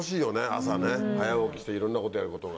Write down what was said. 朝ね早起きしていろんなことやることが。